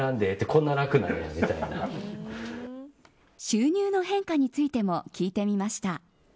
収入の変化についても聞いてみました。